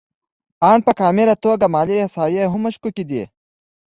آن په کامله توګه مالي احصایې هم مشکوکې دي